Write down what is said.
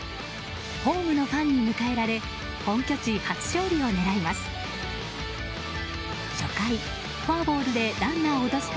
ホームのファンに迎えられ本拠地初勝利を狙います。